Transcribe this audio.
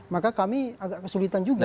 maka kami agak kesulitan juga